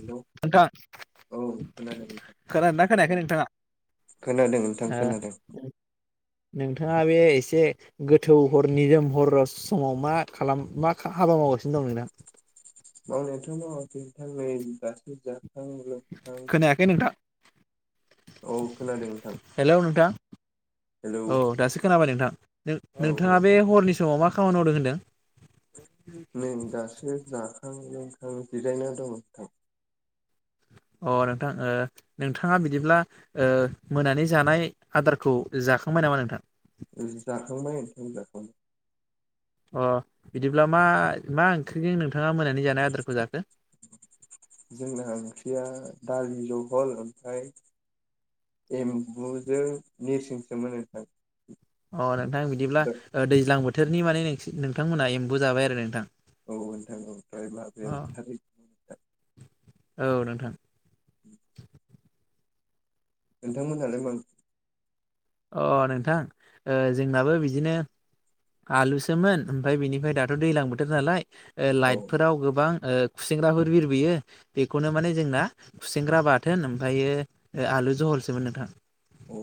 Hello नोंथां औ खोनादों नोंथां खोनादोंना खोनायाखै नोंथाङा? खोनादों नोंथां ओ खोनादों नोंथाङा। हा बे एसे गोथौ हर निजोम हर समाव मा खालाम मा हाबा मावगासिनो दं नोंथां [unintelligible] मावनायाथ' मावाखै आं नै गासोजा खोनायाखै नोंथां? औ खोनादों नोंथां हेलौ नोंथां हेलौ औ दासो खोनाबाय नोंथां औ औ नोंथाङा बे हरनि समाव मा खामानि मावदों होनदों? नों दासो जाखां लोंखां जिरायना दं थां अ नोंथां नोंथाङा बिदिब्ला मोनानि जानाय आदारखौ जाखांबाय नामा नोंथां? दे बुं अ बिदिब्ला मा मा ओंख्रिजों नोंथाङा मोनानि जानाय आदारखौ जाखो जोंना ओंख्रिया दालि जहल ओमफ्राय एम्बुजों नोरसिंसोमोनो थों अ नोंथां बिदिब्ला दैज्लां बोथोरनि माने नोंथांमोनहा एम्बु जाबाय आरो नोंथां औ नोंथां औमफ्राय अ [unintelligible] औ नोंथां [inaudible] नोंथांमोनहालाय माम अ नोंथां ओ जोंनाबो बिदिनो आलुसोमोन ओमफफ्राय बेनिफ्राय दाथ' दैजलां बोथोर नालाय लाइटफोराव गोबां ओ खुसेंग्राफोर बिरबोयो बेखौनो माने जोंना खुसेंग्रा बाथोन ओमफ्रायो ओमफायो ओ आ जहलसोबो नोंथां। अ अ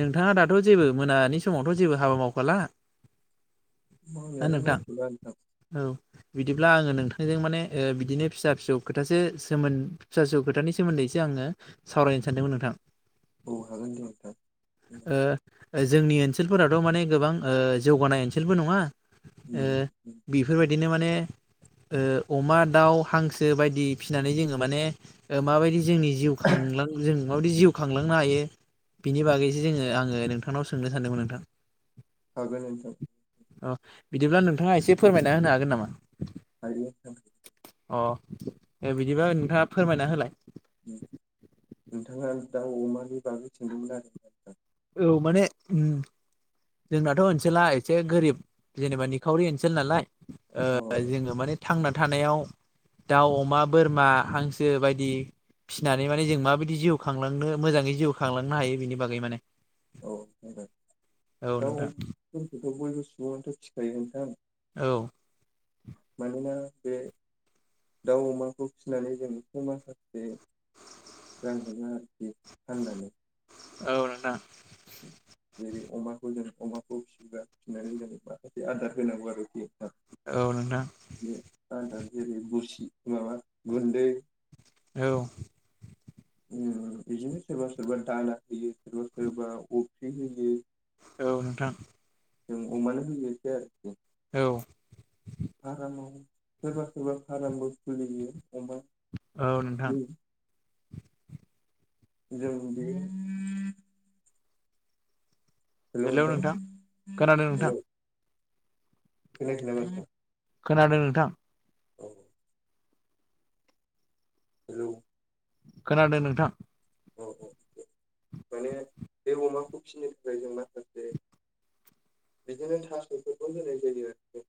नोंथाङा दाथ' जेबो मोनानि समावथ' जेबो हाबा मावखाला। ओ मावनायालाय मावथ'ला नोंथां औ बिदिब्ला आङो नोंथांजों माने बिदिनो फिसा फिसौ खोथासो सोमोन फिसा फिसौ खोथानि सोमोनदैसो आं आङो सावरायनो सानदोंमोन नोंथां औ हागोन दे नोंथां ओ ओ जोंनि ओनसोलफोराथ माने गोबां जौगानाय ओनसोलबो नङा उम ओ उम बेफोरबायदिनो माने ओ अमा, दाउ, हांसो बायदि फिनानै जोङो माने ओ माबायदि जोंनि जिउ खांलांजों माबादि जिउ खांलांनो हायो बिनि बागै बिदि जोङो आङो नोंथांनाव सोंनो सानदोंमोन नोंथां हागोन नोंथां अ बिदिब्ला नोंथाङा एसे फोरमायना होनो हागोन नामा हारि [unintelligible] अ दे बिदिबा नोंथाङा फोरमायना होलाय उम नोंथाङा दाउ, अमानि बागै सोंदोंमोन आरो आं औ माने ओम जोंनाथ ओनसोला एसे गोरिब जेनेबा निखावरि ओनसोल नालाय ओ अ जोङो माने थांना थानायाव दाउ, अमा, बोरमा हांसो बायदि फिनानै माने जों माबायदि जिउ खांलांनो मोजाङै जिउ खांलांनो हायो बेनि बागै माने औ बुं दे औ नोंथां। [inaudible] औ मानोना बे दाउ अमाखौ फिनानै जों बेखौ माखासे रां मोनो आरो खि फाननानै औ नोंथां। जेरै अमाखौ जों अमाखौ फिसिबा फिसिनानै जों माखासे आदार होनांगौ आरोखि। औ नोंथां बे आदार जेरै गुसि माबा गुन्दै [unintelligible] औ बिदिनो सोरबा सोरबा दाना होयो सोरबा सोरबा अफ्रि होयो। औ नोंथां। जों अमानो रुनोसै आरोखि। औ फारामाव सोरबा सोरबा फारामबो खुलियो। अमानि औ नोंथां जों बि हेलौ नोंथां खोनादों नोंथां। औ खोनायाखै नामा नोंथां? खोनादों नोंथां। औ हेलौ खोनादों नोंथां। अ औ माने बे अमाखौ फिनो थाखाय जों माखासे बेदिनो थास' [unintelligible]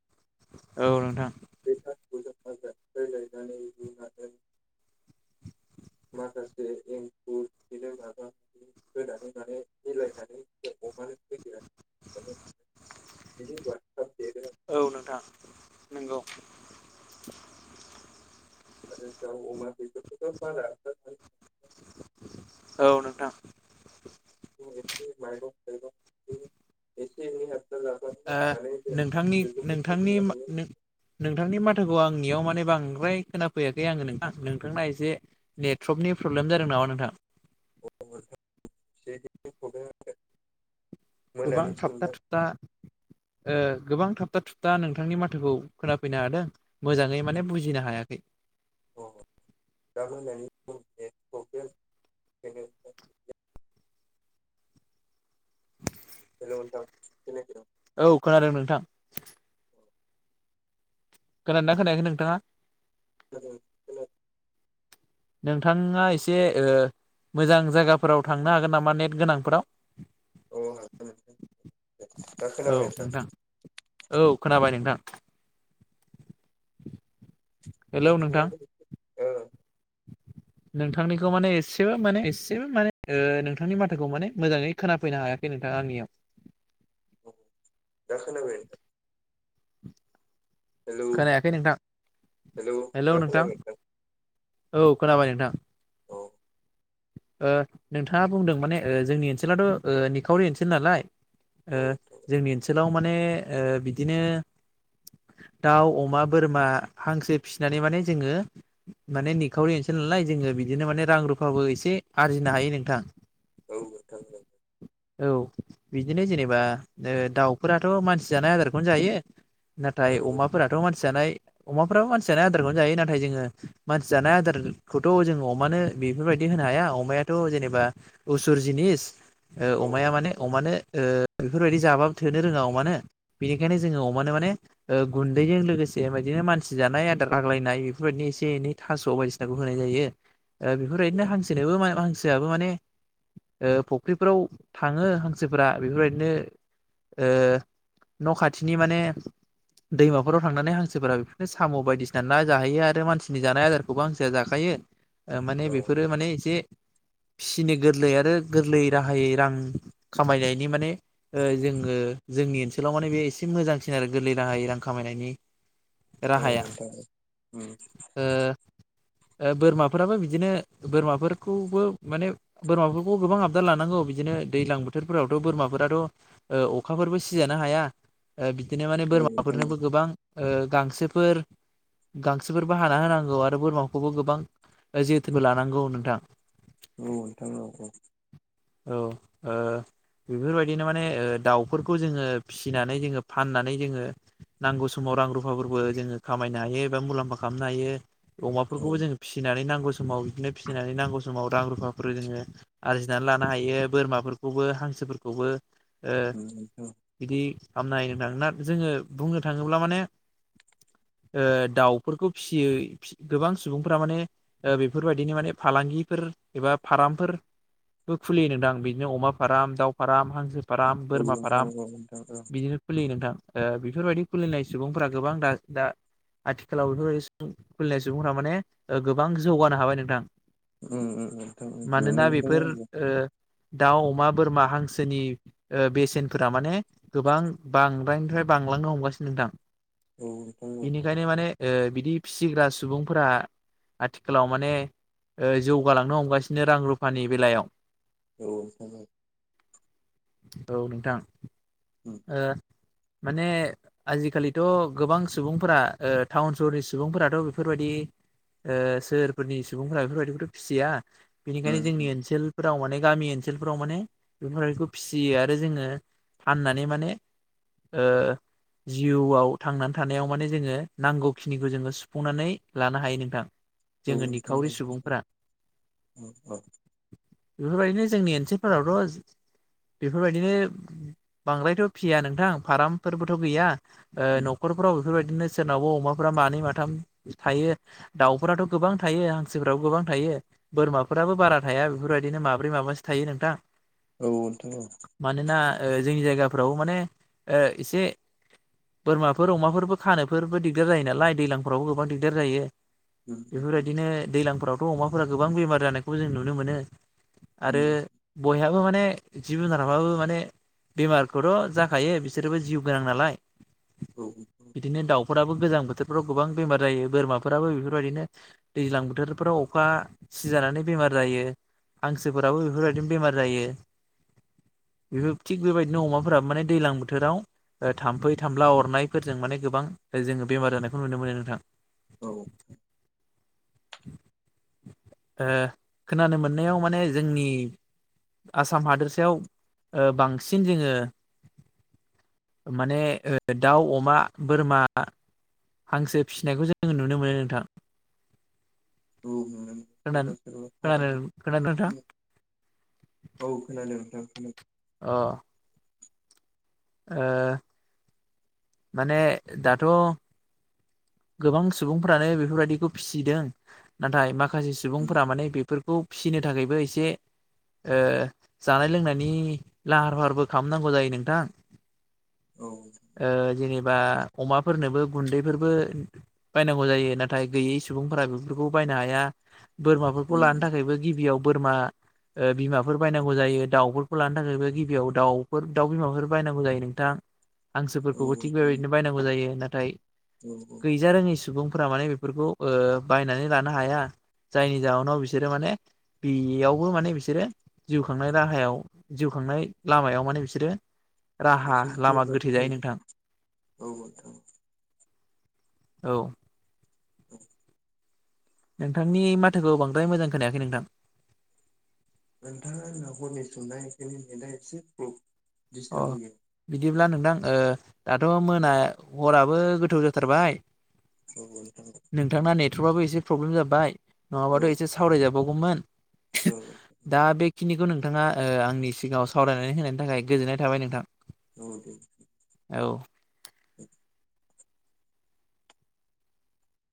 औ नोंथां। [unintelligible] माखासे एंखुर बिदिनो माबा होनानै माने मिलायनानै [unintelligible] औ नोंथां नोंगौ। आरो दाउ अमा बेफोरखौथ' [unintelligible] औ नोंथां। एसे [unintelligible] ओ माने जों नोंथांनि बेफोरखौ नोंथांनि फेदेरनो मा हायो नों नोंथांनि माथाखौ आंनियाव माने बां नोंखोहाय खोनाफैयाखै आङो नोंथां नोंथांना एसे नेटवर्कनि प्रब्लेम जादों नामा नोंथां? [unintelligible] गोबां मोनानि सम थाबथा दा थुबथा ओ गोबां थाबथा थुुबथा नोंथांनि माथोखौ खोनाफैनो हादों मोजाङै अ माने बुजिनो हायाखै। [unintelligible] [unintelligible] हेलौ' नोंथां खोनायाखै औ खोनादों नोंथां। खोनादोंना खोनायाखै नोंथाङा? [inaudible] नोंथाङा एसे ओ मोजां जायगाफोराव थांनो हागोन नामा नेट गोनांफोराव औ हागोन नोंथां। दसेल' औ बेट नोंथां [unintelligible] औ खोनाबाय नोंथां हेलौ नोंथां [inaudible] नोंथांनिखौ माने एसेबो माने एसेबो माने ओ नोंथांनि माथाखौ माने मोजाङै खोनाफैनो हायाखै। नोंथां आंनि आव दा खोनाबाय? [inaudible] हेलौ खोनायाखै नोंथां हेलौ दा हेल' नोंथां। खोनाबाय औ खोनाबाय नोंथां। औ ओ नोंथाङा बुंदों माने जोंनि ओनसोलाथ' निखावरि ओनसोल नालाय ओ औ जोंनि ओनसोलाव माने ओ बिदिनो दाउ अमा बोरमा हांसो फिसिनानै माने जोङो माने निखावरि ओसोल नालाय जोङो बिदिनो माने रां रुफाबो एसे आरजिनो हायो नोंथां। औ म थां [unintelligible] औ बिदिनो जेनेबा दाउफोराथ' मानसि जानाय आदारखौनो जायो। नाथाय औ अमाफोराथ' मानसि जानाय अमाफ्राबो मानसि जानाय आदारखौनो जायो नाथाय जोङो मानसि जानाय आदारखौथ' जोङो अमानो बेफोरबायदि हो होनो हाया अमायाथ' जेनेबा उसुर जिनिस औ अमाया माने अमानो बेफोरबायदि जाबाबो थोननो रोङा अमानो बेनिखायनो जोङो अमानो माने गुन्दैजों लोगोसे बिदिनो मानसि जानाय आदार आग्लायनाय बेफोरबायदिनो एसे एनै थास' बायदिसिनाखौ होनाय जायो। बेफोरबायदिनो हांसोनोबो मायबा हांसोआबो माने ओ फ फख्रिफोराव थाङो हांसोफोरा बेफोरबायदिनो ओ न खाथिनि माने दैमाफोराव थांनानै हांसोफोरा बिफोरनो साम बायदिसिना ना जाहैयो आरो मानसिनि जानाय आदारखौबो हांसोआ जाखायो ओ माने औ बेफोरो माने एसे फिसिनो गोरलै आरो गोरलै राहायै रां खामायनायनि माने जोङो जोंनि ओनसोलाव माने बे एसे मोजांसिन आरो गोरलै राहायै रां खामायनायनि राहाया औ ओ [unintelligible] बोरमाफोराबो बिदिनो बोरमाफोरखौबो माने बोरमाफोरखौ गोबां आ बदार लानांगौ बिदिनो दैज्लां बोथोरफोरावथ' बोरमाफोराथ' अखाफोरबो सिजानो हाया उह बिदिनो माने औ नोंथां बोरमाफोरनोबो गोबां उह गांसोफोर गांसोफोरबो हाना होनांगौ आरो बोरमाखौबो गोबां जोथोनबो लानांगौ नोंथां औ नोंथां औ औ औ उह बेफोरबायदिनो माने दाउफोरखौ जोङो फिसिनानै जोङो फाननानै जोङो नांगौ समाव रां रुफाफोरबो जोङो खामायनो हायो एबा मुलाम्फा खालामनो हायो अमाफोरखौबो औ जोङो फिसिनानै नांगौ समाव बिदिनो फिसिनानै नांगौ समाव रां रुफाफोर जोङो आरजिनानै लानो हायो बोरमाफोरखौबो हांसोफोरखौबो ओ नोंथां बिदि खालामनो हायो नोंथां ना जोङो बुंनो थाङोब्ला माने [inaudible] ओ दाउफोरखौ फिसियो गोबां सुबुंफोरा माने ओ बेफोरबायदिनो माने फालांगिफोर एबा फारामफोरबो खुलि नदां बिदिनो अमा फार्म दावउ फाराम हांसो फाराम औ बोरमा नोंथां फाराम औ नोंथां औ बिदिनो खुलियो नोंथां ओ बेफोरबायदि खुलिनाय सुबुंफोरा गोबां दा दा आथिखालाव बेफोरबायदि खुलिनाय सुबुंफोरा माने गोबां जौगानो हाबाय नोंथां उम उम उम उम उम मानोना उम बेफोर नुनो मोनदों ओ आंबो दाउ अमा बोरमा हांसोनि ओ बेसेनफोरा माने गोबां बांद्राय फ्राय बांलांनो हमगासिनो नोंथां औ नोंथां औ बेनिखायनो माने बिदि फिसिग्रा सुबुंफोरा आथिखालाव माने ओ जौगालांनो हमगासिनो रां रुफानि बेलायाव औ जाबाय औ नोंथां उम ओ माने आजिखालिथ' गोबां सुबुंफोरा ओ टाउन सहरनि सुबुंफोराथ' बेफोरबायदि ओ सोहोरफोरनि सुबुंफोरा बेफोरबायदिखौथ' फिसिया बेनिखायनो जोंनि उम ओनसोल फोराव माने गामि ओनसोलफोराव माने बेफोरबायदिखौ फिसियो आरो जोङो फाननानै माने ओ जिउआव थांनानै थानायाव माने जोङो नांगौखिनिखौ जोङो सुफुंनानै लानो हायो नोंथां औ जोङो नोंथां निखावरि औ नोंथां औ सुबुंफोरा बेफोरबायदिनो जोंनि ओनसोलफोरावथ' बेफोरबायदिनो बांद्रायथ' फिया नोंथां फारामफोरबोथ' गैया ओ न'खरफोराव बेफोरबायदि बिदिनो सोरनावबा अमाफोरा मानै माथाम थायो दाउफोराथ' गोबां थायो हांसोफोराबो गोबां थायो बोरमाफोराबो बारा थाया बेफोरबायदिनो माब्रै माबासो थायो नोंथां औ नोंथां मानोना ओ जोंनि जायगाफ्राव माने ओ एसे बोरमाफोर अमाफोरबो खानोफोरबो दिगदार जायो नालाय दैज्लांफोरावबो गोबां दिगदार जायो उम उम बेफोरबायदिनो दैज्लांफोरावथ' अमाफोरा गोबां बेमार जानायखौबो जों नुनो मोनो आरो उम बयहाबो माने जिब जुनाराबो माने बेमारखौथ' जाखायो बिसोरबो जिउ गोनां नालाय औ बिदिनो दाउ नखराबो गोजां बोथोरफ्राव गोबां बेमार जायो बोरमाफोराबो बेफोरबायदिनो दैज्लां बोथोरफोराव अखा सिजानानै बेमार जायो हांसोफोराबो बेफोरबायदिनो बेमार जायो बेफोर थिग बेबायदिनो अमाफोरा माने दैलां बोथोराव ओ थाम्फै थामफला अरनायफोरजों माने गोबां जोङो बेमार जानायखौ नुनो मोनो नोंथां औ ओ खोनानो मोननायाव माने जोंनि आसाम हादोरसायाव ओ बांसिन जोङो माने दाउ अमा बोरमा हांसो फिसिनायखौ जोङो नुनो मोनो नोंथां औ खोनानो खोनान दे खोनादोना? औ खोनादों नोंथां खोनादों अ ओ माने दाथ' गोबां सुबुंफ्रानो बेफोरबायदिखौ फिसिदों नाथाय माखासे माखासे उम सुबुंफोरा माने बेफोरखौ फिसिनो थाखायबो एसे ओ जानाय लोंनायनि लाहार फाहारबो खालामनांगौ जायो नोंथां औ ओ जेनेबा अमाफोरनोबो गुन्दैफोरबो बायनांगौ जायो नाथाय गैयै सुबुंफोरा बेफोरखौ बायनो हाया बोरमाफोरखौ उम लानो थाखायबो गिबियाव बोरमा ओ बिमाफोर बायनांगौ जायो दाउफोरखौ लानो थाखायबो गिबियाव दाउफोर दाउ बिमाफोर बायनांगौ जायो औ हांसोफोरखौबो थिग नोंथां बेबायदिनो बायनांगौ जायो नाथाय औ औ रोङि सुबुंफोरा माने बेफोरखौ ओ बायनानै लानो हाया जायनि जाहोनाव बिसोरो माने बेयावबो माने बिसोरो जिउ खांनाय राहायाव जिउ खांनाय लामायाव माने बिसोरो राहा एसे लामा गोब्राब गोथे जायो नोंथां औ नोंथां औ [unintelligible] नोंथांनि माथोखौ बांद्राय मोजां खोनायाखै नोंथां नोंथाङा न'खरनि सोंनाय एखनि नेनाय एसे अ दिस्टार्ब होयो बिदिब्ला नोंथां ओ दाथ' मोना हराबो गोथोव जाथारबाय औ नोंथां नोंथांना नेटवर्काबबो एसे प्रब्लेम जाबाय औ नङाबाथ' एसे सावराय जा बावगौमोन औ दा बे बेखिनिखौ नोंथाङा आंनि सिगाङाव सावरायनानै होनायनि थाखाय गोजोननाय थाबाय नोंथां औ दे औ